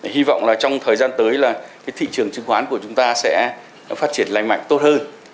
hy vọng trong thời gian tới thị trường trương khoán của chúng ta sẽ phát triển lành mạnh tốt hơn